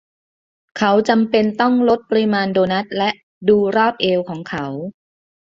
เขาจำเป็นต้องลดปริมาณโดนัทและดูรอบเอวของเขา